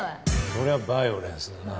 そりゃあバイオレンスだな。